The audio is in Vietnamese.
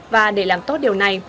và để làm tốt điều này